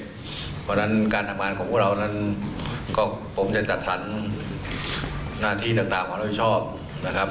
เพราะฉะนั้นการทำงานของพวกเรานั้นก็ผมจะจัดสรรหน้าที่ต่างความรับผิดชอบนะครับ